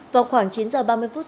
vào khoảng chín h ba mươi phút